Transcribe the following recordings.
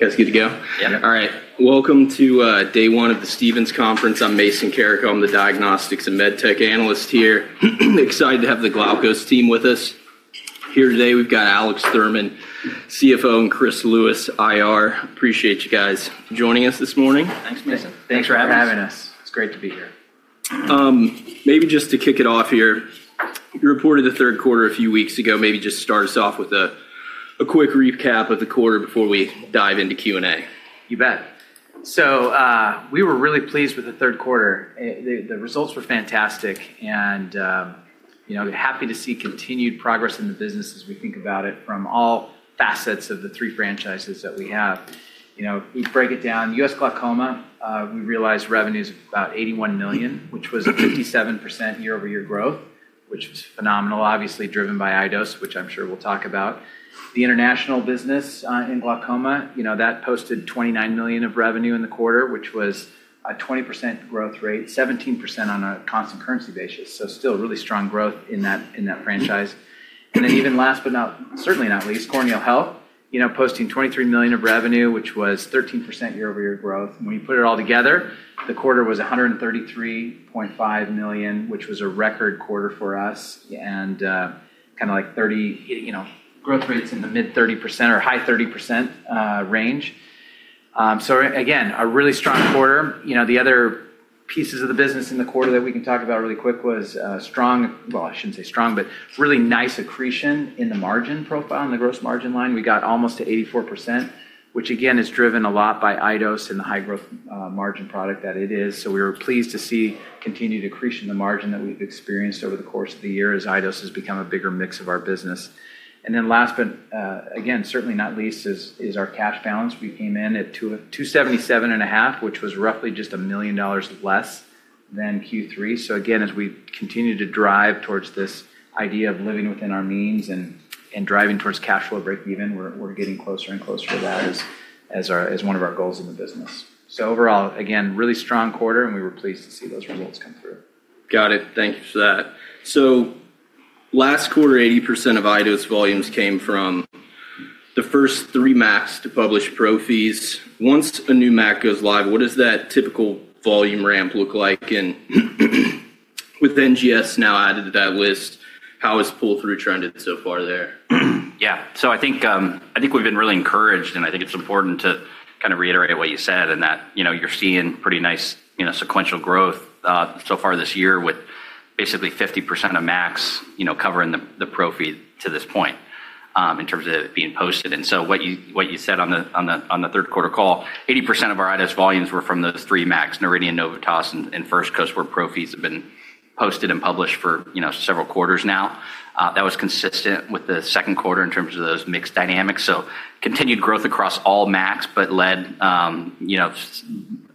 You guys good to go? Yeah. All right. Welcome to day one of the Stephens Conference. I'm Mason Carrico. I'm the diagnostics and medtech analyst here. Excited to have the Glaukos team with us. Here today, we've got Alex Thurman, CFO, and Chris Lewis, IR. Appreciate you guys joining us this morning. Thanks, Mason. Thanks for having us. It's great to be here. Maybe just to kick it off here, you reported the third quarter a few weeks ago. Maybe just start us off with a quick recap of the quarter before we dive into Q&A. You bet. We were really pleased with the third quarter. The results were fantastic. Happy to see continued progress in the business as we think about it from all facets of the three franchises that we have. We break it down. U.S. glaucoma, we realized revenues of about $81 million, which was a 57% year-over-year growth, which was phenomenal, obviously driven by iDose, which I'm sure we'll talk about. The international business in Glaucoma posted $29 million of revenue in the quarter, which was a 20% growth rate, 17% on a constant currency basis. Still really strong growth in that franchise. Even last but certainly not least, Corneal health posting $23 million of revenue, which was 13% year-over-year growth. When you put it all together, the quarter was $133.5 million, which was a record quarter for us and kind of like growth rates in the mid-30% or high 30% range. Again, a really strong quarter. The other pieces of the business in the quarter that we can talk about really quick was strong—well, I should not say strong, but really nice accretion in the margin profile, in the gross margin line. We got almost to 84%, which again is driven a lot by iDose and the high growth margin product that it is. We were pleased to see continued accretion in the margin that we have experienced over the course of the year as iDose has become a bigger mix of our business. Last, but again, certainly not least, is our cash balance. We came in at $277.5 million, which was roughly just a million dollars less than Q3. As we continue to drive towards this idea of living within our means and driving towards cash flow breakeven, we're getting closer and closer to that as one of our goals in the business. Overall, again, really strong quarter, and we were pleased to see those results come through. Got it. Thank you for that. Last quarter, 80% of iDose volumes came from the first three MACs to publish pro fees. Once a new MAC goes live, what does that typical volume ramp look like? With NGS now added to that list, how has pull-through trended so far there? Yeah. So I think we've been really encouraged, and I think it's important to kind of reiterate what you said in that you're seeing pretty nice sequential growth so far this year with basically 50% of MACs covering the pro fee to this point in terms of it being posted. And so what you said on the third quarter call, 80% of our iDose volumes were from those three MACs: Noridian, Novitas, and First Coast, where pro fees have been posted and published for several quarters now. That was consistent with the second quarter in terms of those mix dynamics. So continued growth across all MACs, but led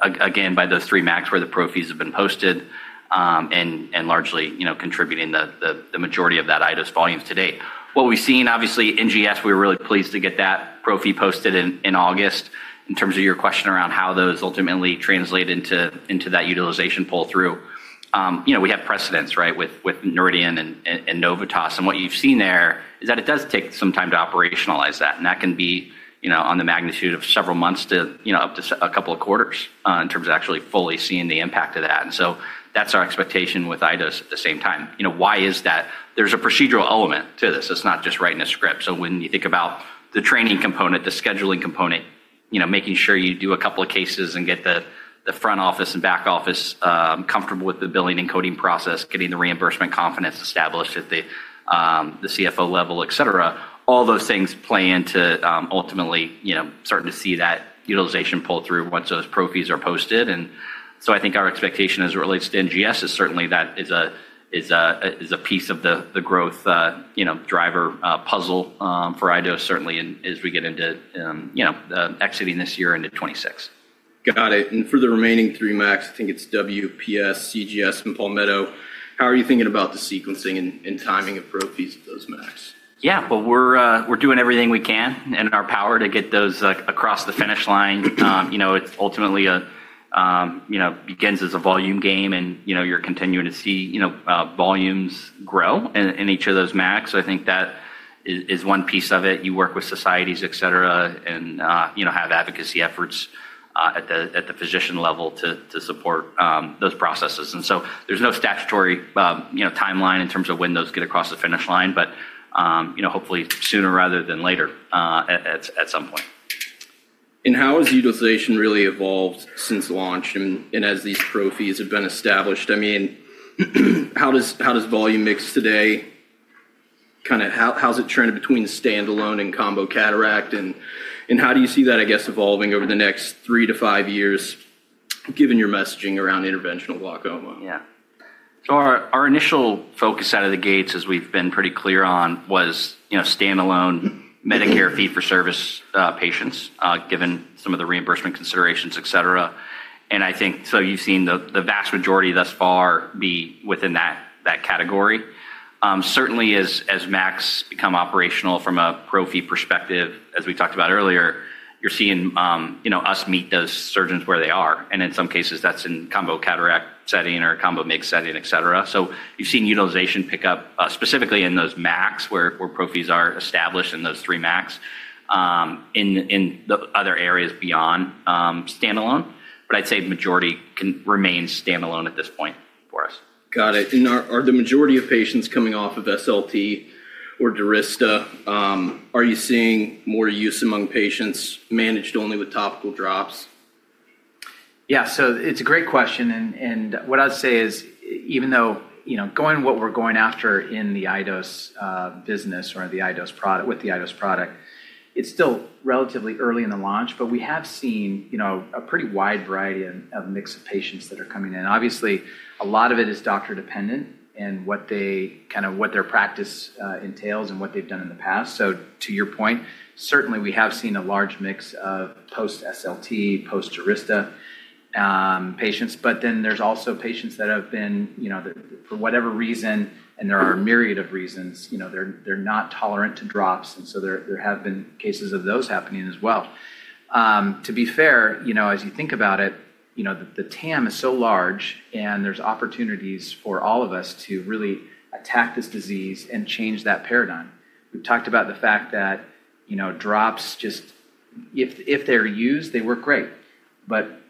again by those three MACs where the pro fees have been posted and largely contributing the majority of that iDose volume to date. What we've seen, obviously, NGS, we were really pleased to get that pro fee posted in August. In terms of your question around how those ultimately translate into that utilization pull-through, we have precedents with Noridian and Novitas. What you've seen there is that it does take some time to operationalize that. That can be on the magnitude of several months to up to a couple of quarters in terms of actually fully seeing the impact of that. That is our expectation with iDose at the same time. Why is that? There is a procedural element to this. It's not just writing a script. When you think about the training component, the scheduling component, making sure you do a couple of cases and get the front office and back office comfortable with the billing and coding process, getting the reimbursement confidence established at the CFO level, et cetera, all those things play into ultimately starting to see that utilization pull-through once those pro fees are posted. I think our expectation as it relates to NGS is certainly that is a piece of the growth driver puzzle for iDose, certainly, as we get into exiting this year into 2026. Got it. For the remaining three MACs, I think it's WPS, CGS, and Palmetto. How are you thinking about the sequencing and timing of pro fees of those MACs? Yeah, we're doing everything we can in our power to get those across the finish line. It ultimately begins as a volume game, and you're continuing to see volumes grow in each of those MACs. I think that is one piece of it. You work with societies, et cetera, and have advocacy efforts at the physician level to support those processes. There is no statutory timeline in terms of when those get across the finish line, but hopefully sooner rather than later at some point. How has utilization really evolved since launch and as these pro fees have been established? I mean, how does volume mix today? Kind of how's it trended between standalone and combo cataract? And how do you see that, I guess, evolving over the next three to five years, given your messaging around interventional glaucoma? Yeah. Our initial focus out of the gates, as we've been pretty clear on, was standalone Medicare fee-for-service patients, given some of the reimbursement considerations, et cetera. I think you've seen the vast majority thus far be within that category. Certainly, as MACs become operational from a pro fee perspective, as we talked about earlier, you're seeing us meet those surgeons where they are. In some cases, that's in combo cataract setting or combo MIGS setting, et cetera. You've seen utilization pick up specifically in those MACs where pro fees are established in those three MACs in the other areas beyond standalone. I'd say the majority can remain standalone at this point for us. Got it. Are the majority of patients coming off of SLT or Durysta? Are you seeing more use among patients managed only with topical drops? Yeah. So it's a great question. What I'd say is, even though going what we're going after in the iDose business or with the iDose product, it's still relatively early in the launch, but we have seen a pretty wide variety of mix of patients that are coming in. Obviously, a lot of it is doctor-dependent and kind of what their practice entails and what they've done in the past. To your point, certainly, we have seen a large mix of post-SLT, post-Durysta patients. There are also patients that have been, for whatever reason, and there are a myriad of reasons, they're not tolerant to drops. There have been cases of those happening as well. To be fair, as you think about it, the TAM is so large, and there's opportunities for all of us to really attack this disease and change that paradigm. We've talked about the fact that drops, just if they're used, they work great.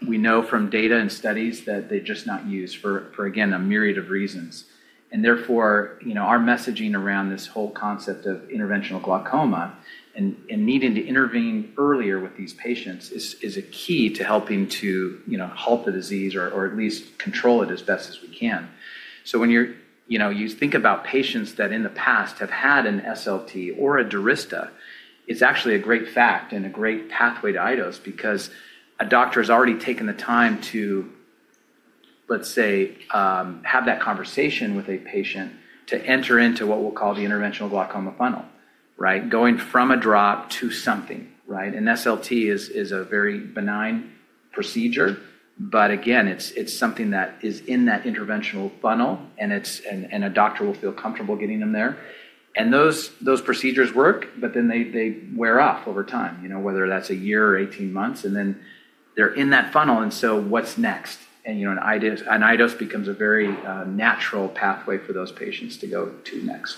We know from data and studies that they're just not used for, again, a myriad of reasons. Therefore, our messaging around this whole concept of interventional glaucoma and needing to intervene earlier with these patients is a key to helping to halt the disease or at least control it as best as we can. When you think about patients that in the past have had an SLT or a Durysta, it's actually a great fact and a great pathway to iDose because a doctor has already taken the time to, let's say, have that conversation with a patient to enter into what we'll call the interventional glaucoma funnel, right? Going from a drop to something, right? SLT is a very benign procedure, but again, it's something that is in that interventional funnel, and a doctor will feel comfortable getting them there. Those procedures work, but then they wear off over time, whether that's a year or 18 months, and then they're in that funnel. What's next? An iDose becomes a very natural pathway for those patients to go to next.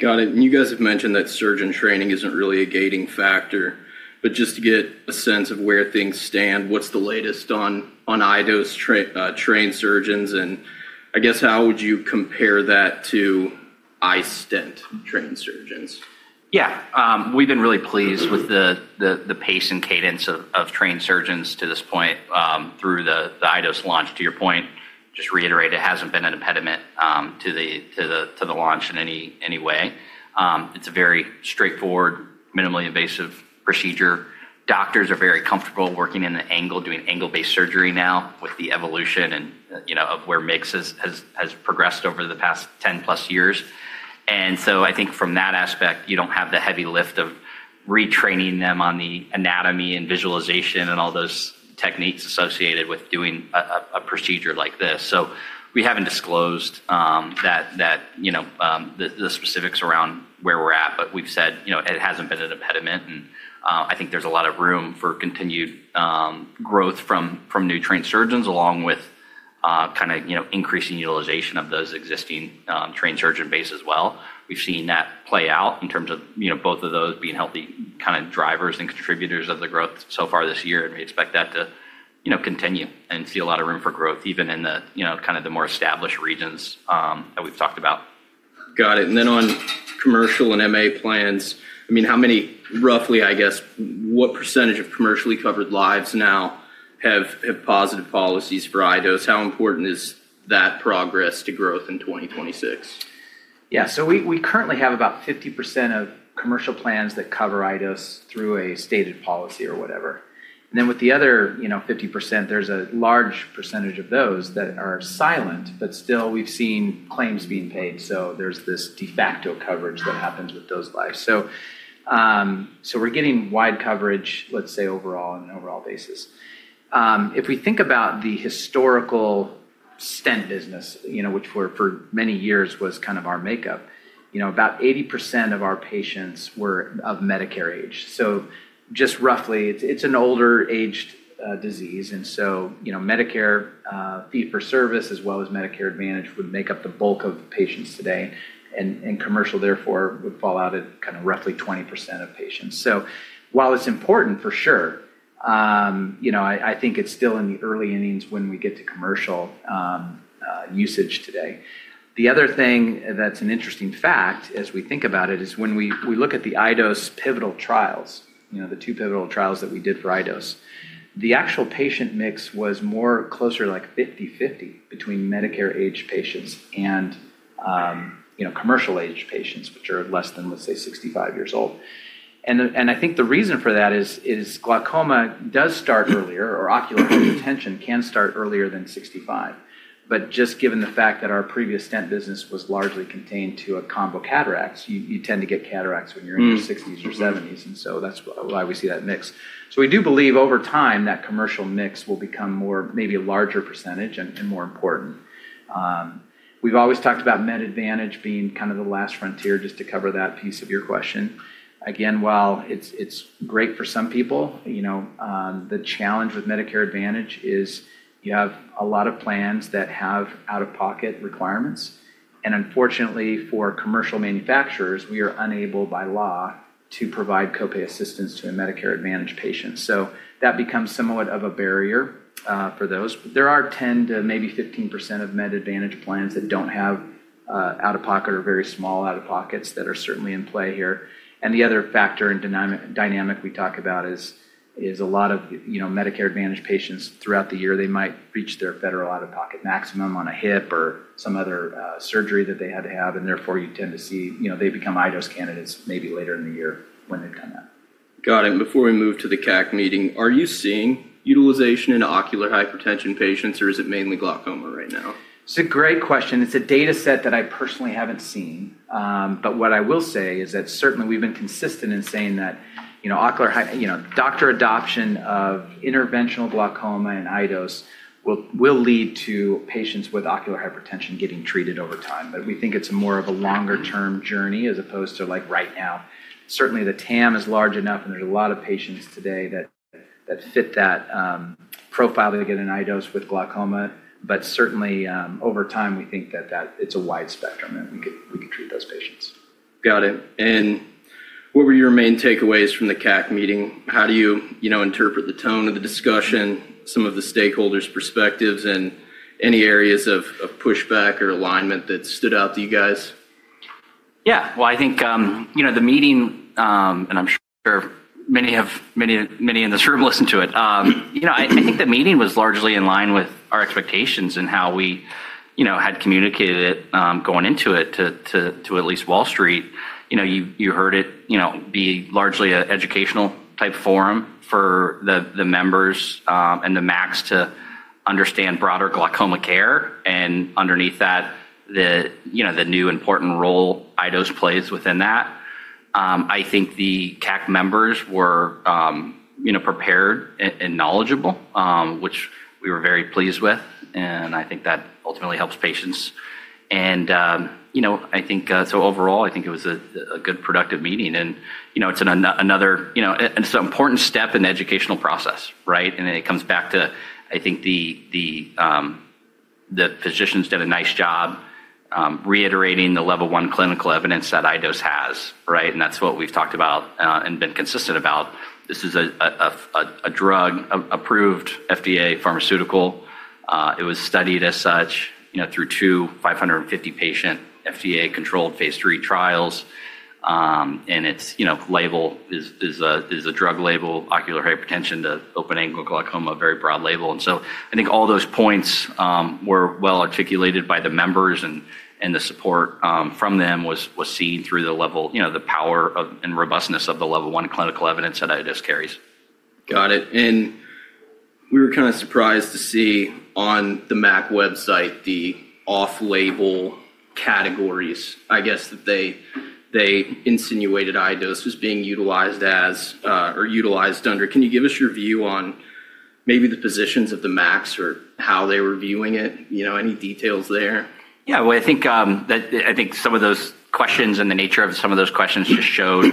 Got it. You guys have mentioned that surgeon training isn't really a gating factor, but just to get a sense of where things stand, what's the latest on iDose trained surgeons? I guess how would you compare that to iStent-trained surgeons? Yeah. We've been really pleased with the pace and cadence of trained surgeons to this point through the iDose launch. To your point, just reiterate, it hasn't been an impediment to the launch in any way. It's a very straightforward, minimally invasive procedure. Doctors are very comfortable working in the angle, doing angle-based surgery now with the evolution of where MIGS has progressed over the past 10-plus years. I think from that aspect, you don't have the heavy lift of retraining them on the anatomy and visualization and all those techniques associated with doing a procedure like this. We haven't disclosed the specifics around where we're at, but we've said it hasn't been an impediment. I think there's a lot of room for continued growth from new trained surgeons along with kind of increasing utilization of those existing trained surgeon base as well. We've seen that play out in terms of both of those being healthy kind of drivers and contributors of the growth so far this year. We expect that to continue and see a lot of room for growth even in kind of the more established regions that we've talked about. Got it. And then on commercial and MA plans, I mean, how many roughly, I guess, what percentage of commercially covered lives now have positive policies for iDose? How important is that progress to growth in 2026? Yeah. So we currently have about 50% of commercial plans that cover iDose through a stated policy or whatever. And then with the other 50%, there's a large percentage of those that are silent, but still we've seen claims being paid. So there's this de facto coverage that happens with those lives. So we're getting wide coverage, let's say, overall on an overall basis. If we think about the historical stent business, which for many years was kind of our makeup, about 80% of our patients were of Medicare age. So just roughly, it's an older-aged disease. And so Medicare fee-for-service as well as Medicare Advantage would make up the bulk of patients today. And commercial, therefore, would fall out at kind of roughly 20% of patients. So while it's important for sure, I think it's still in the early innings when we get to commercial usage today. The other thing that's an interesting fact as we think about it is when we look at the iDose pivotal trials, the two pivotal trials that we did for iDose, the actual patient mix was more closer to like 50-50 between Medicare-aged patients and commercial-aged patients, which are less than, let's say, 65 years old. I think the reason for that is glaucoma does start earlier or ocular hypertension can start earlier than 65. Just given the fact that our previous stent business was largely contained to a combo cataract, you tend to get cataracts when you're in your 60s or 70s. That is why we see that mix. We do believe over time that commercial mix will become more maybe a larger percentage and more important. We've always talked about Med Advantage being kind of the last frontier just to cover that piece of your question. Again, while it's great for some people, the challenge with Medicare Advantage is you have a lot of plans that have out-of-pocket requirements. Unfortunately, for commercial manufacturers, we are unable by law to provide copay assistance to a Medicare Advantage patient. That becomes somewhat of a barrier for those. There are 10%-15% of Med Advantage plans that do not have out-of-pocket or very small out-of-pockets that are certainly in play here. The other factor and dynamic we talk about is a lot of Medicare Advantage patients throughout the year, they might reach their federal out-of-pocket maximum on a hip or some other surgery that they had to have. Therefore, you tend to see they become iDose candidates maybe later in the year when they've done that. Got it. Before we move to the CAC meeting, are you seeing utilization in ocular hypertension patients, or is it mainly glaucoma right now? It's a great question. It's a data set that I personally haven't seen. What I will say is that certainly we've been consistent in saying that doctor adoption of interventional glaucoma and iDose will lead to patients with ocular hypertension getting treated over time. We think it's more of a longer-term journey as opposed to right now. Certainly, the TAM is large enough, and there's a lot of patients today that fit that profile to get an iDose with glaucoma. Certainly, over time, we think that it's a wide spectrum that we could treat those patients. Got it. What were your main takeaways from the CAC Meeting? How do you interpret the tone of the discussion, some of the stakeholders' perspectives, and any areas of pushback or alignment that stood out to you guys? Yeah. I think the meeting, and I'm sure many in this room listened to it, I think the meeting was largely in line with our expectations and how we had communicated it going into it to at least Wall Street. You heard it be largely an educational-type forum for the members and the MACs to understand broader glaucoma care. Underneath that, the new important role iDose plays within that. I think the CAC members were prepared and knowledgeable, which we were very pleased with. I think that ultimately helps patients. I think overall, it was a good productive meeting. It is another important step in the educational process, right? It comes back to, I think the physicians did a nice job reiterating the level one clinical evidence that iDose has, right? That's what we've talked about and been consistent about. This is a drug-approved FDA pharmaceutical. It was studied as such through two 550-patient FDA-controlled phase III trials. Its label is a drug label, ocular hypertension to open-angle glaucoma, very broad label. I think all those points were well articulated by the members, and the support from them was seen through the level, the power and robustness of the level one clinical evidence that iDose carries. Got it. We were kind of surprised to see on the MAC website, the off-label categories, I guess, that they insinuated iDose was being utilized as or utilized under. Can you give us your view on maybe the positions of the MACs or how they were viewing it? Any details there? Yeah. I think some of those questions and the nature of some of those questions just showed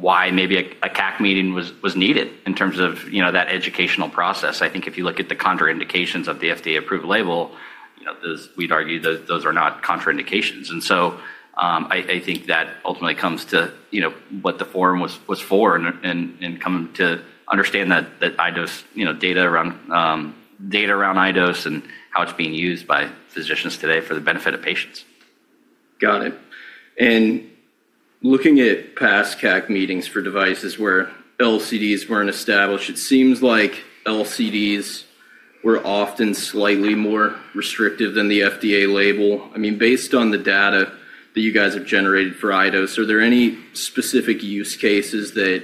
why maybe a CAC meeting was needed in terms of that educational process. I think if you look at the contraindications of the FDA-approved label, we'd argue those are not contraindications. I think that ultimately comes to what the forum was for and come to understand that iDose data around iDose and how it's being used by physicians today for the benefit of patients. Got it. Looking at past CAC meetings for devices where LCDs were not established, it seems like LCDs were often slightly more restrictive than the FDA label. I mean, based on the data that you guys have generated for iDose, are there any specific use cases that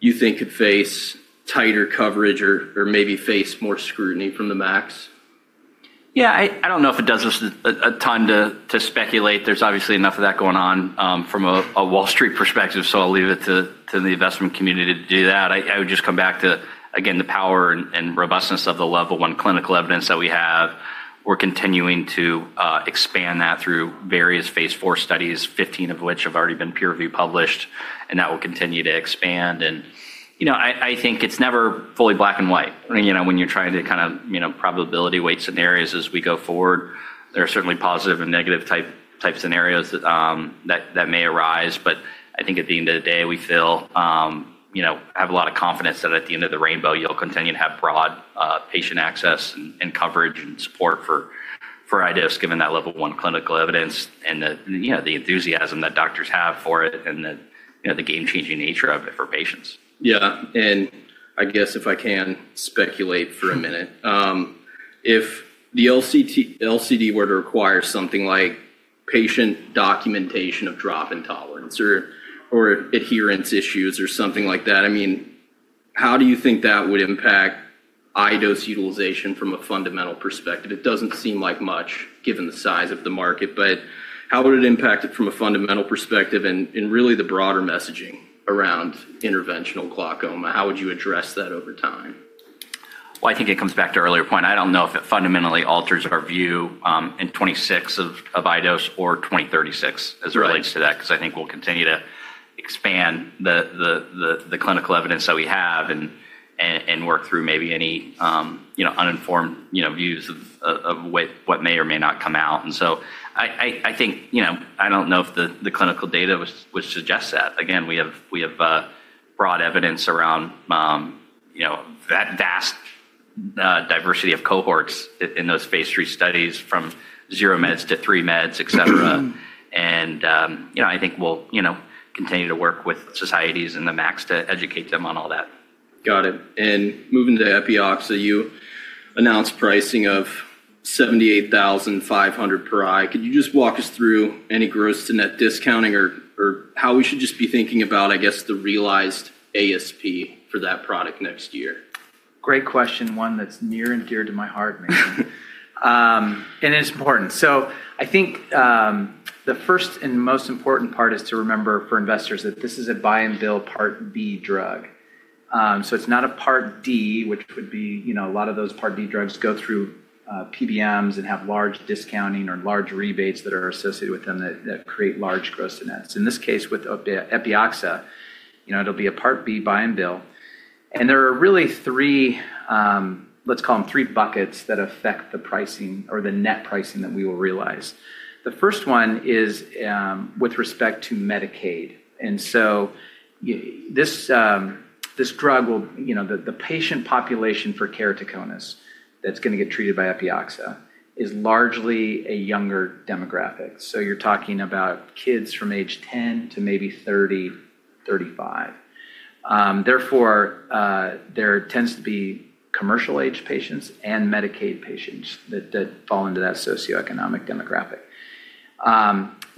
you think could face tighter coverage or maybe face more scrutiny from the MACs? Yeah. I don't know if it does a ton to speculate. There's obviously enough of that going on from a Wall Street perspective, so I'll leave it to the investment community to do that. I would just come back to, again, the power and robustness of the level one clinical evidence that we have. We're continuing to expand that through various phase four studies, 15 of which have already been peer-reviewed published, and that will continue to expand. I think it's never fully black and white when you're trying to kind of probability weight scenarios as we go forward. There are certainly positive and negative type scenarios that may arise. I think at the end of the day, we feel have a lot of confidence that at the end of the rainbow, you'll continue to have broad patient access and coverage and support for iDose given that level one clinical evidence and the enthusiasm that doctors have for it and the game-changing nature of it for patients. Yeah. I guess if I can speculate for a minute, if the LCD were to require something like patient documentation of drop intolerance or adherence issues or something like that, I mean, how do you think that would impact iDose utilization from a fundamental perspective? It does not seem like much given the size of the market, but how would it impact it from a fundamental perspective and really the broader messaging around interventional glaucoma? How would you address that over time? I think it comes back to an earlier point. I do not know if it fundamentally alters our view in 2026 of iDose or 2036 as it relates to that because I think we will continue to expand the clinical evidence that we have and work through maybe any uninformed views of what may or may not come out. I think I do not know if the clinical data would suggest that. Again, we have broad evidence around that vast diversity of cohorts in those phase three studies from zero meds to three meds, etc. I think we will continue to work with societies and the MACs to educate them on all that. Got it. Moving to Epioxa, you announced pricing of $78,500 per eye. Could you just walk us through any gross to net discounting or how we should just be thinking about, I guess, the realized ASP for that product next year? Great question. One that's near and dear to my heart, and it's important. I think the first and most important part is to remember for investors that this is a buy-and-bill part B drug. It's not a part D, which would be a lot of those part D drugs go through PBMs and have large discounting or large rebates that are associated with them that create large gross to nets. In this case, with Epioxa, it'll be a part B buy-and-bill. There are really three, let's call them three buckets that affect the pricing or the net pricing that we will realize. The first one is with respect to Medicaid. This drug, the patient population for keratoconus that's going to get treated by Epioxa is largely a younger demographic. You're talking about kids from age 10 to maybe 30, 35. Therefore, there tends to be commercial-aged patients and Medicaid patients that fall into that socioeconomic demographic.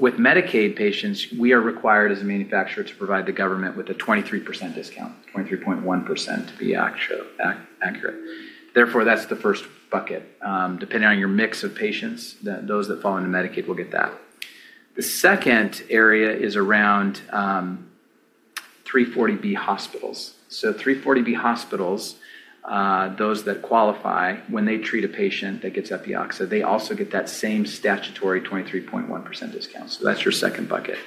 With Medicaid patients, we are required as a manufacturer to provide the government with a 23% discount, 23.1% to be accurate. Therefore, that's the first bucket. Depending on your mix of patients, those that fall into Medicaid will get that. The second area is around 340B hospitals. 340B hospitals, those that qualify, when they treat a patient that gets Epioxa, they also get that same statutory 23.1% discount. That's your second bucket.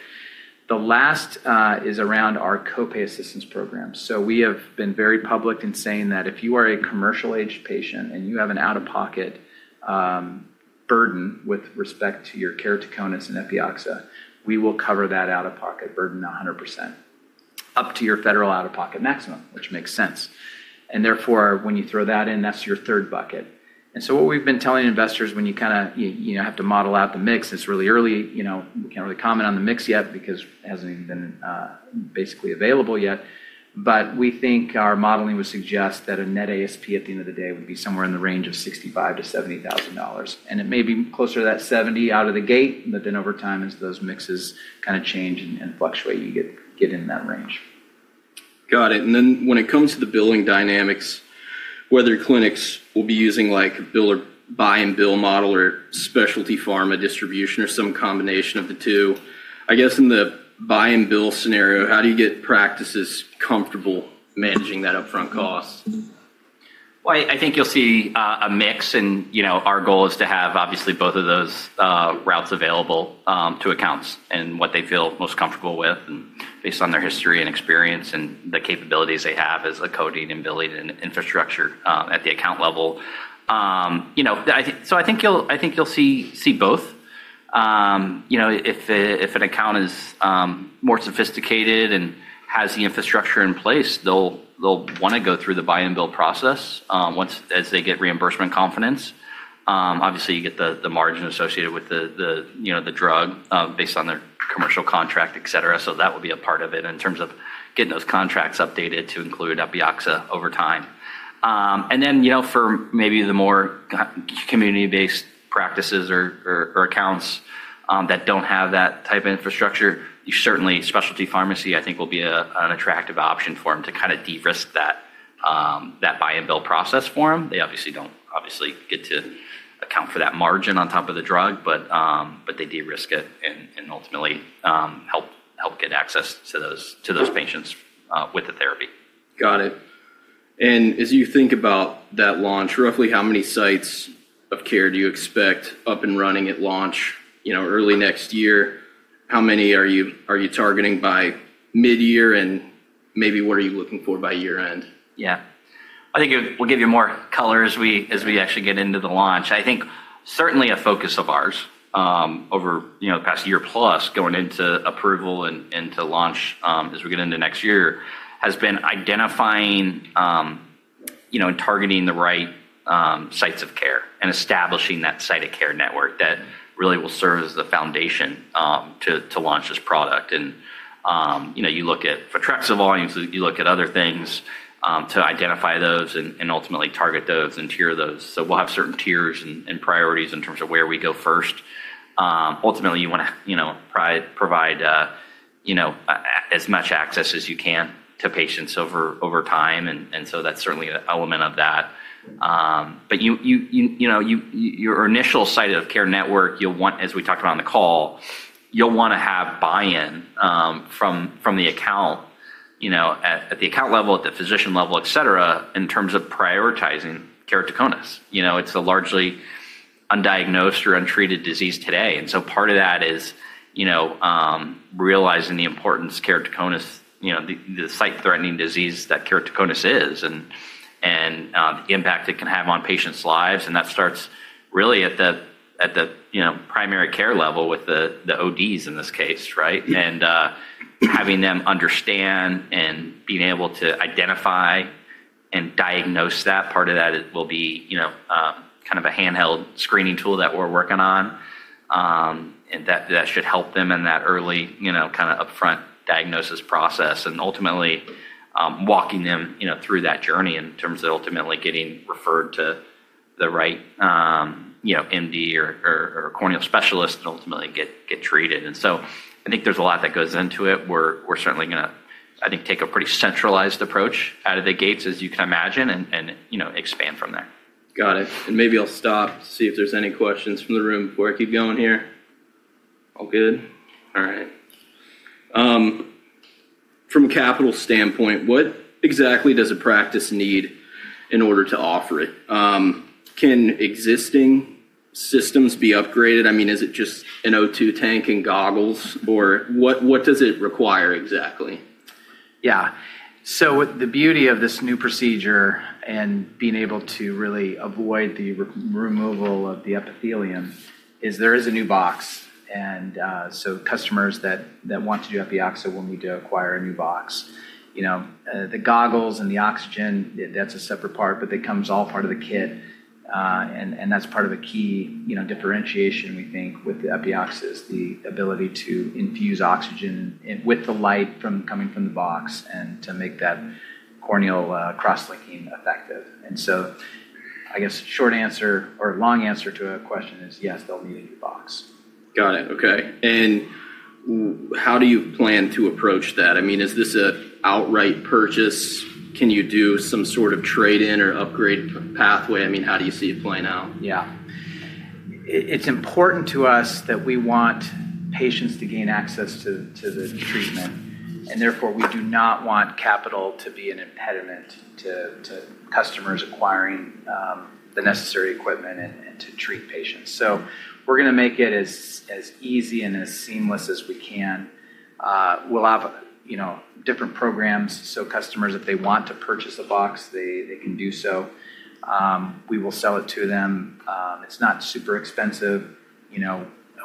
The last is around our copay assistance program. We have been very public in saying that if you are a commercial-aged patient and you have an out-of-pocket burden with respect to your keratoconus and Epioxa, we will cover that out-of-pocket burden 100% up to your federal out-of-pocket maximum, which makes sense. Therefore, when you throw that in, that's your third bucket. What we've been telling investors, when you kind of have to model out the mix, it's really early. We can't really comment on the mix yet because it hasn't been basically available yet. We think our modeling would suggest that a net ASP at the end of the day would be somewhere in the range of $65,000-$70,000. It may be closer to that $70,000 out of the gate, but then over time, as those mixes kind of change and fluctuate, you get in that range. Got it. When it comes to the billing dynamics, whether clinics will be using like a buy-and-bill model or specialty pharma distribution or some combination of the two, I guess in the buy-and-bill scenario, how do you get practices comfortable managing that upfront cost? I think you'll see a mix. Our goal is to have obviously both of those routes available to accounts and what they feel most comfortable with based on their history and experience and the capabilities they have as a coding and billing and infrastructure at the account level. I think you'll see both. If an account is more sophisticated and has the infrastructure in place, they'll want to go through the buy-and-bill process as they get reimbursement confidence. Obviously, you get the margin associated with the drug based on their commercial contract, etc. That will be a part of it in terms of getting those contracts updated to include Epioxa over time. For maybe the more community-based practices or accounts that do not have that type of infrastructure, certainly specialty pharmacy, I think, will be an attractive option for them to kind of de-risk that buy-and-bill process for them. They obviously do not get to account for that margin on top of the drug, but they de-risk it and ultimately help get access to those patients with the therapy. Got it. As you think about that launch, roughly how many sites of care do you expect up and running at launch early next year? How many are you targeting by midyear? Maybe what are you looking for by year-end? Yeah. I think we'll give you more color as we actually get into the launch. I think certainly a focus of ours over the past year plus going into approval and to launch as we get into next year has been identifying and targeting the right sites of care and establishing that site of care network that really will serve as the foundation to launch this product. You look at Photrexa volumes, you look at other things to identify those and ultimately target those and tier those. We'll have certain tiers and priorities in terms of where we go first. Ultimately, you want to provide as much access as you can to patients over time. That is certainly an element of that. Your initial site of care network, as we talked about on the call, you'll want to have buy-in from the account at the account level, at the physician level, etc., in terms of prioritizing keratoconus. It's a largely undiagnosed or untreated disease today. Part of that is realizing the importance of keratoconus, the site-threatening disease that keratoconus is and the impact it can have on patients' lives. That starts really at the primary care level with the ODs in this case, right? Having them understand and being able to identify and diagnose that. Part of that will be kind of a handheld screening tool that we're working on that should help them in that early kind of upfront diagnosis process and ultimately walking them through that journey in terms of ultimately getting referred to the right MD or corneal specialist and ultimately get treated. I think there is a lot that goes into it. We are certainly going to, I think, take a pretty centralized approach out of the gates, as you can imagine, and expand from there. Got it. Maybe I'll stop to see if there's any questions from the room. We're keep going here. All good? All right. From a capital standpoint, what exactly does a practice need in order to offer it? Can existing systems be upgraded? I mean, is it just an O2 tank and goggles? Or what does it require exactly? Yeah. With the beauty of this new procedure and being able to really avoid the removal of the epithelium, there is a new box. Customers that want to do Epioxa will need to acquire a new box. The goggles and the oxygen, that's a separate part, but that comes all part of the kit. That is part of a key differentiation, we think, with the Epioxa, the ability to infuse oxygen with the light coming from the box and to make that corneal cross-linking effective. I guess short answer or long answer to a question is yes, they'll need a new box. Got it. Okay. How do you plan to approach that? I mean, is this an outright purchase? Can you do some sort of trade-in or upgrade pathway? I mean, how do you see it playing out? Yeah. It's important to us that we want patients to gain access to the treatment. Therefore, we do not want capital to be an impediment to customers acquiring the necessary equipment and to treat patients. We're going to make it as easy and as seamless as we can. We'll have different programs. Customers, if they want to purchase a box, they can do so. We will sell it to them. It's not super expensive.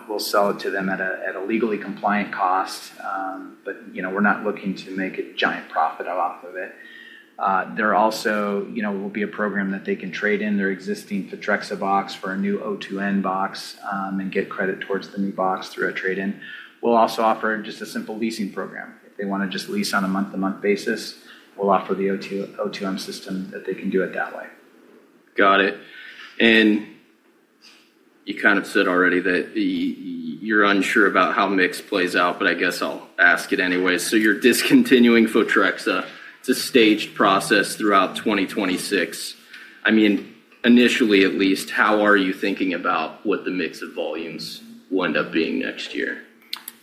We'll sell it to them at a legally compliant cost, but we're not looking to make a giant profit off of it. There also will be a program that they can trade in their existing Photrexa box for a new O2N box and get credit towards the new box through a trade-in. We'll also offer just a simple leasing program. If they want to just lease on a month-to-month basis, we'll offer the O2N system that they can do it that way. Got it. You kind of said already that you're unsure about how mix plays out, but I guess I'll ask it anyway. You're discontinuing Photrexa. It's a staged process throughout 2026. I mean, initially, at least, how are you thinking about what the mix of volumes will end up being next year?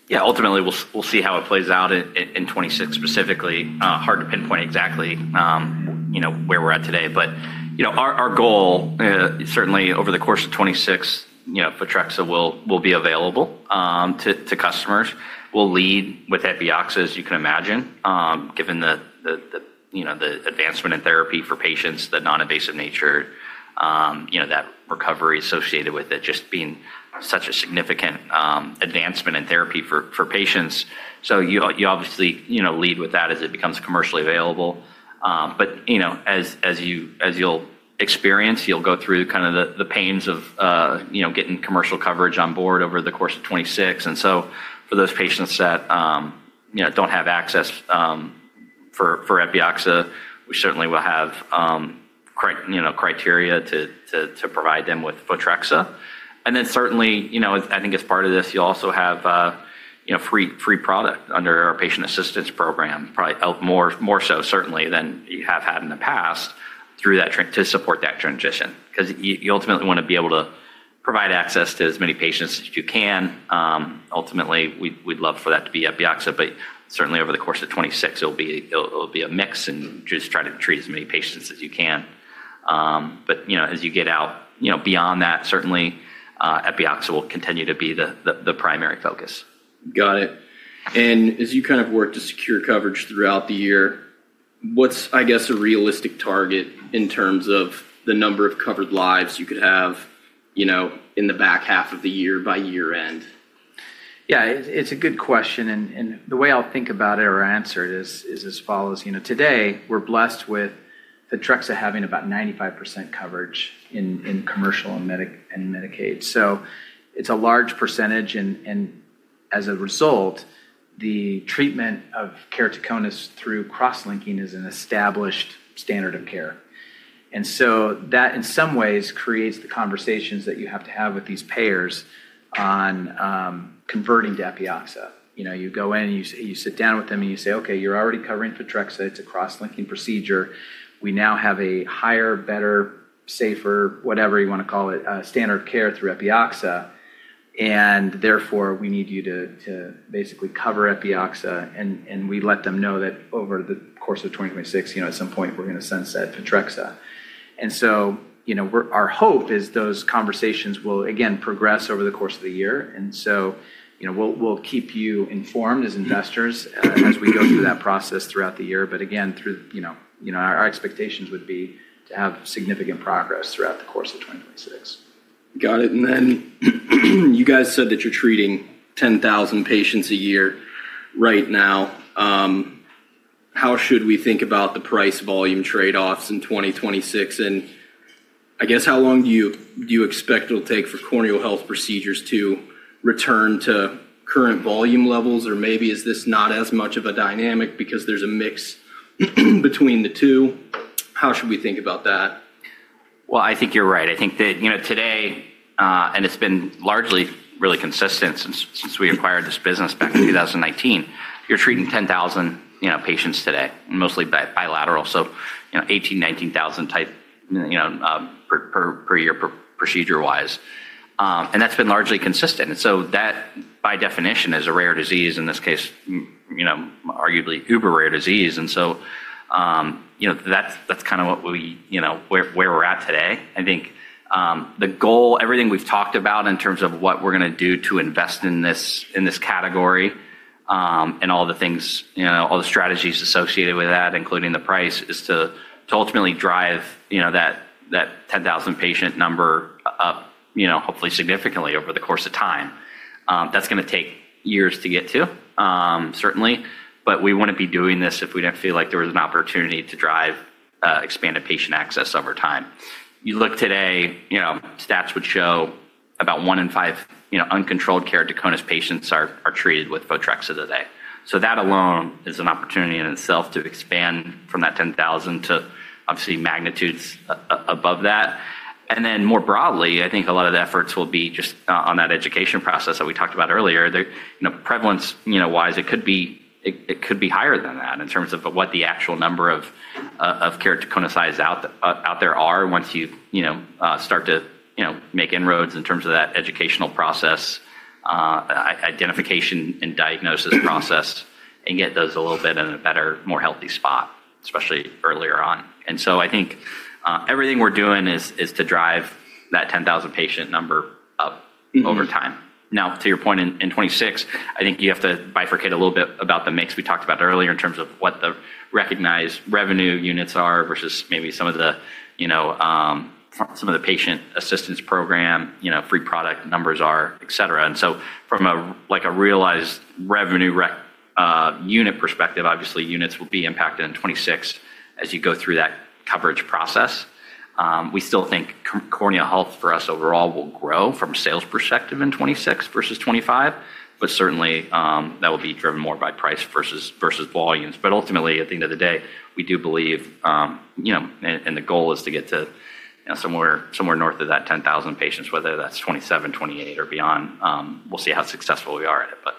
Yeah. Ultimately, we'll see how it plays out in 2026 specifically. Hard to pinpoint exactly where we're at today. But our goal, certainly over the course of 2026, Vitrexa will be available to customers. We'll lead with Epioxa, as you can imagine, given the advancement in therapy for patients, the non-invasive nature, that recovery associated with it, just being such a significant advancement in therapy for patients. You obviously lead with that as it becomes commercially available. As you'll experience, you'll go through kind of the pains of getting commercial coverage on board over the course of 2026. For those patients that don't have access for Epioxa, we certainly will have criteria to provide them with Photrexa. I think as part of this, you'll also have free product under our patient assistance program, probably more so certainly than you have had in the past through that to support that transition because you ultimately want to be able to provide access to as many patients as you can. Ultimately, we'd love for that to be Epioxa. Over the course of 2026, it'll be a mix and just try to treat as many patients as you can. As you get out beyond that, certainly Epioxa will continue to be the primary focus. Got it. As you kind of work to secure coverage throughout the year, what's, I guess, a realistic target in terms of the number of covered lives you could have in the back half of the year by year-end? Yeah. It's a good question. The way I'll think about it or answer it is as follows. Today, we're blessed with Photrexa having about 95% coverage in commercial and Medicaid. It's a large percentage. As a result, the treatment of keratoconus through cross-linking is an established standard of care. That in some ways creates the conversations that you have to have with these payers on converting to Epioxa. You go in, you sit down with them, and you say, "Okay, you're already covering Photrexa. It's a cross-linking procedure. We now have a higher, better, safer, whatever you want to call it, standard of care through Epioxa. Therefore, we need you to basically cover Epioxa." We let them know that over the course of 2026, at some point, we're going to sunset Photrexa. Our hope is those conversations will, again, progress over the course of the year. We will keep you informed as investors as we go through that process throughout the year. Again, our expectations would be to have significant progress throughout the course of 2026. Got it. You guys said that you're treating 10,000 patients a year right now. How should we think about the price volume trade-offs in 2026? I guess how long do you expect it'll take for corneal health procedures to return to current volume levels? Maybe is this not as much of a dynamic because there's a mix between the two? How should we think about that? I think you're right. I think that today, and it's been largely really consistent since we acquired this business back in 2019, you're treating 10,000 patients today, mostly bilateral. So 18,000-19,000 type per year procedure-wise. That has been largely consistent. That, by definition, is a rare disease, in this case, arguably uber rare disease. That is kind of where we're at today. I think the goal, everything we've talked about in terms of what we're going to do to invest in this category and all the things, all the strategies associated with that, including the price, is to ultimately drive that 10,000 patient number up hopefully significantly over the course of time. That is going to take years to get to, certainly. We wouldn't be doing this if we didn't feel like there was an opportunity to drive expanded patient access over time. You look today, stats would show about one in five uncontrolled keratoconus patients are treated with Photrexa today. That alone is an opportunity in itself to expand from that 10,000 to obviously magnitudes above that. More broadly, I think a lot of the efforts will be just on that education process that we talked about earlier. Prevalence-wise, it could be higher than that in terms of what the actual number of keratoconus eyes out there are once you start to make inroads in terms of that educational process, identification, and diagnosis process and get those a little bit in a better, more healthy spot, especially earlier on. I think everything we're doing is to drive that 10,000 patient number up over time. Now, to your point, in 2026, I think you have to bifurcate a little bit about the mix we talked about earlier in terms of what the recognized revenue units are versus maybe some of the patient assistance program, free product numbers are, etc. From a realized revenue unit perspective, obviously, units will be impacted in 2026 as you go through that coverage process. We still think corneal health for us overall will grow from a sales perspective in 2026 versus 2025, but certainly that will be driven more by price versus volumes. Ultimately, at the end of the day, we do believe, and the goal is to get to somewhere north of that 10,000 patients, whether that is 2027, 2028, or beyond. We will see how successful we are at it, but.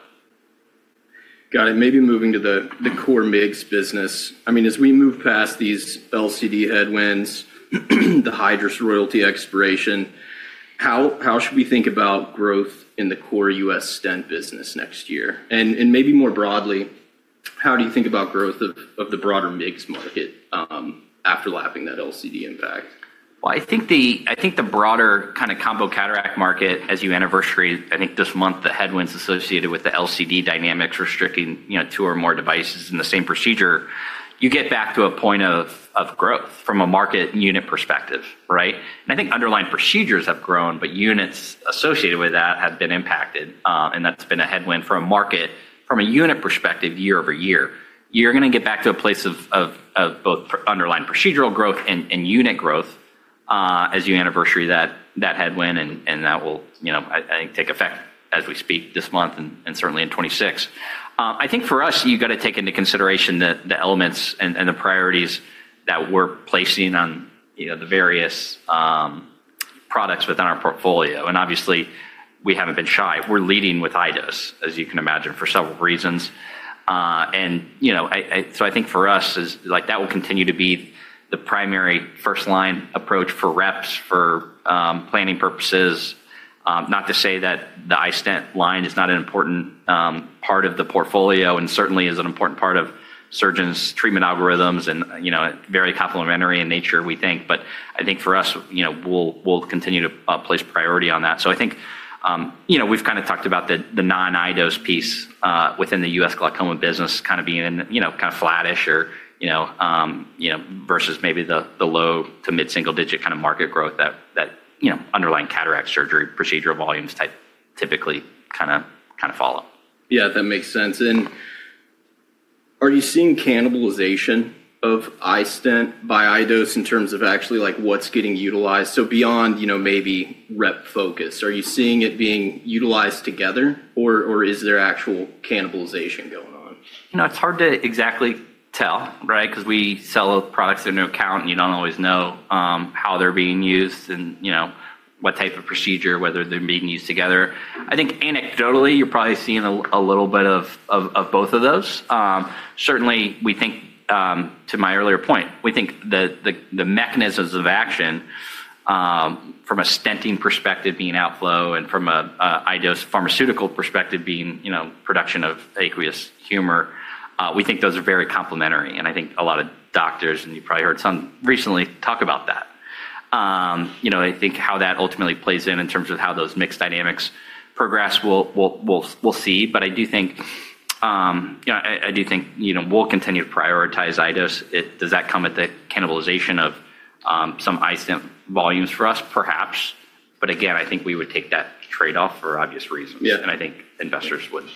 Got it. Maybe moving to the core MIGS business. I mean, as we move past these LCD headwinds, the Hydrus royalty expiration, how should we think about growth in the core US stent business next year? And maybe more broadly, how do you think about growth of the broader MIGS market after lapping that LCD impact? I think the broader kind of combo cataract market, as you anniversary, I think this month, the headwinds associated with the LCD dynamics restricting two or more devices in the same procedure, you get back to a point of growth from a market unit perspective, right? I think underlying procedures have grown, but units associated with that have been impacted. That has been a headwind for a market from a unit perspective year over year. You are going to get back to a place of both underlying procedural growth and unit growth as you anniversary that headwind. That will, I think, take effect as we speak this month and certainly in 2026. I think for us, you have got to take into consideration the elements and the priorities that we are placing on the various products within our portfolio. Obviously, we have not been shy. We're leading with iDose, as you can imagine, for several reasons. I think for us, that will continue to be the primary first-line approach for reps, for planning purposes. Not to say that the iStent line is not an important part of the portfolio and certainly is an important part of surgeons' treatment algorithms and very complementary in nature, we think. I think for us, we'll continue to place priority on that. I think we've kind of talked about the non-iDose piece within the U.S. glaucoma business kind of being kind of flattish or versus maybe the low to mid-single-digit kind of market growth that underlying cataract surgery procedural volumes typically kind of follow. Yeah, that makes sense. Are you seeing cannibalization of iStent by iDose in terms of actually what's getting utilized? Beyond maybe rep focus, are you seeing it being utilized together, or is there actual cannibalization going on? It's hard to exactly tell, right, because we sell products in an account, and you don't always know how they're being used and what type of procedure, whether they're being used together. I think anecdotally, you're probably seeing a little bit of both of those. Certainly, we think, to my earlier point, we think the mechanisms of action from a stenting perspective being outflow and from an iDose pharmaceutical perspective being production of aqueous humor, we think those are very complementary. I think a lot of doctors, and you've probably heard some recently, talk about that. I think how that ultimately plays in in terms of how those MIGS dynamics progress, we'll see. I do think we'll continue to prioritize iDose. Does that come at the cannibalization of some iStent volumes for us, perhaps? Again, I think we would take that trade-off for obvious reasons. I think investors would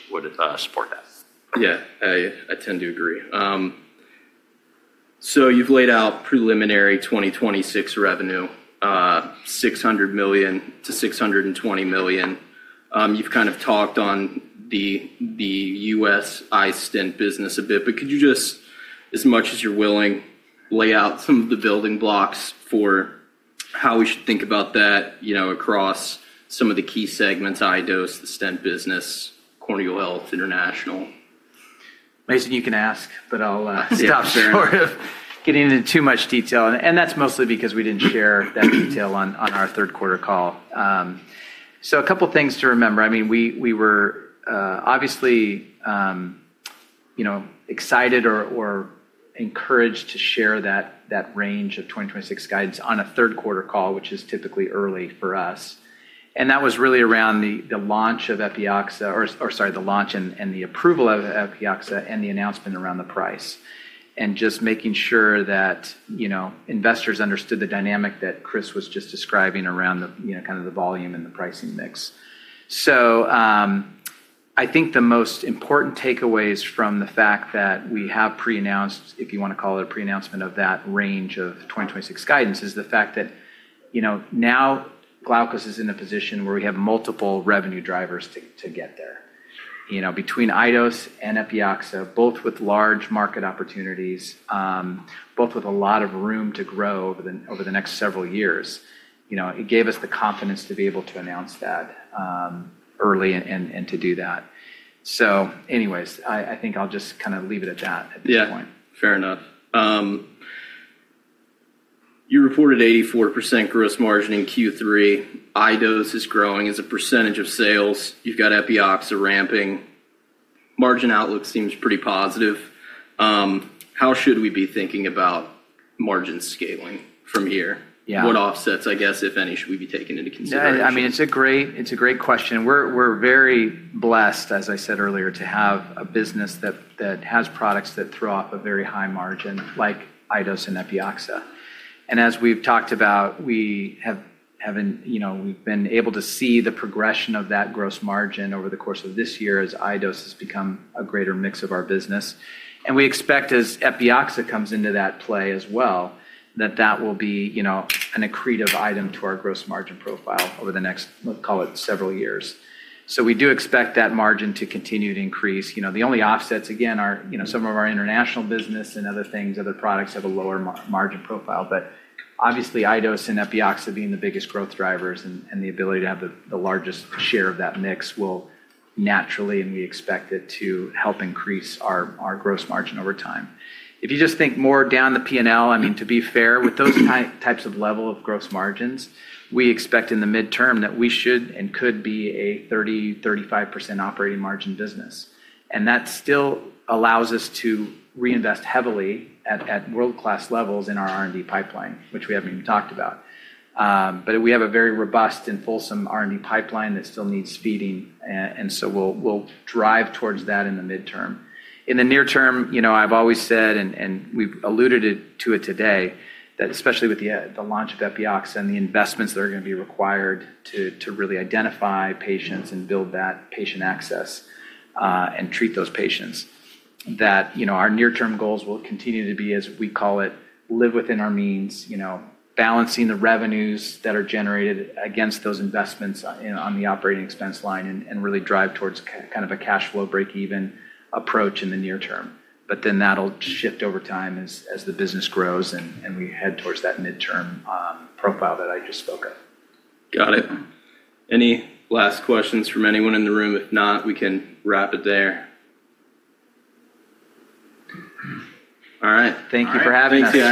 support that. Yeah. I tend to agree. You have laid out preliminary 2026 revenue, $600 million-$620 million. You have kind of talked on the U.S. iStent business a bit. Could you just, as much as you are willing, lay out some of the building blocks for how we should think about that across some of the key segments, iDose, the stent business, corneal health, international? Mason, you can ask, but I'll stop sort of getting into too much detail. That is mostly because we did not share that detail on our third-quarter call. A couple of things to remember. I mean, we were obviously excited or encouraged to share that range of 2026 guidance on a third-quarter call, which is typically early for us. That was really around the launch of Epioxa, or sorry, the launch and the approval of Epioxa and the announcement around the price and just making sure that investors understood the dynamic that Chris was just describing around kind of the volume and the pricing mix. I think the most important takeaways from the fact that we have pre-announced, if you want to call it a pre-announcement of that range of 2026 guidance, is the fact that now Glaukos is in a position where we have multiple revenue drivers to get there. Between iDose and Epioxa, both with large market opportunities, both with a lot of room to grow over the next several years, it gave us the confidence to be able to announce that early and to do that. Anyways, I think I'll just kind of leave it at that at this point. Yeah. Fair enough. You reported 84% gross margin in Q3. iDose is growing as a percentage of sales. You've got Epiox ramping. Margin outlook seems pretty positive. How should we be thinking about margin scaling from here? What offsets, I guess, if any, should we be taking into consideration? Yeah. I mean, it's a great question. We're very blessed, as I said earlier, to have a business that has products that throw up a very high margin like iDose and Epioxa. And as we've talked about, we've been able to see the progression of that gross margin over the course of this year as iDose has become a greater mix of our business. We expect as Epioxa comes into that play as well, that that will be an accretive item to our gross margin profile over the next, let's call it, several years. We do expect that margin to continue to increase. The only offsets, again, are some of our international business and other things. Other products have a lower margin profile. Obviously, iDose and Epioxa being the biggest growth drivers and the ability to have the largest share of that mix will naturally, and we expect it to help increase our gross margin over time. If you just think more down the P&L, I mean, to be fair, with those types of level of gross margins, we expect in the midterm that we should and could be a 30%-35% operating margin business. That still allows us to reinvest heavily at world-class levels in our R&D pipeline, which we have not even talked about. We have a very robust and fulsome R&D pipeline that still needs feeding. We will drive towards that in the midterm. In the near term, I've always said, and we've alluded to it today, that especially with the launch of Epioxa and the investments that are going to be required to really identify patients and build that patient access and treat those patients, that our near-term goals will continue to be, as we call it, live within our means, balancing the revenues that are generated against those investments on the operating expense line and really drive towards kind of a cash flow break-even approach in the near term. That'll shift over time as the business grows and we head towards that midterm profile that I just spoke of. Got it. Any last questions from anyone in the room? If not, we can wrap it there. All right. Thank you for having us.